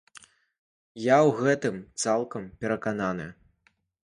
Я у гэтым цалкам перакананы.